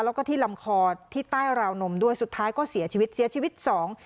แล้วก็ที่ลำคอที่ใต้ราวนมด้วยสุดท้ายก็เสียชีวิตเสียชีวิตสอง